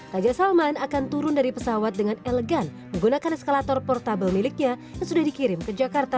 raja salman akan turun dari pesawat dengan elegan menggunakan eskalator portable miliknya yang sudah dikirim ke jakarta